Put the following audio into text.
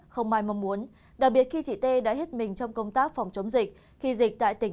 không ai mong muốn đặc biệt khi chị tê đã hết mình trong công tác phòng chống dịch khi dịch tại tỉnh